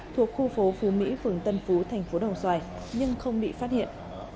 thuộc khu phố phú mỹ phường tân phú tp đồng xoài nhưng không bị phát hiện